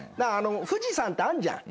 富士山ってあんじゃん。